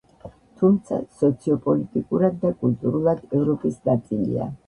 თუმცა სოციოპოლიტიკურად და კულტურულად ევროპის ნაწილია.